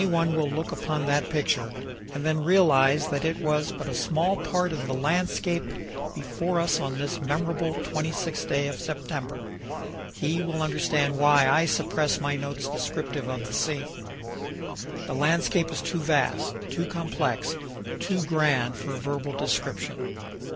331 one will look upon that picture, and then realize that it was but a small part of the landscape before us on this memorable 26th day of September, he will understand why I suppress my notes descriptive of the scene. The landscape is too vast, too complex, too grand for verbal description.